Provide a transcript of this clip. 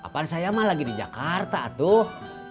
kapan saya mah lagi di jakarta atuh